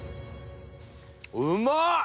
うまっ！